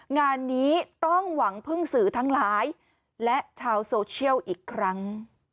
งานนี้ต้องหวังพึ่งสื่อทั้งหลายและชาวโซเชียลอีกครั้ง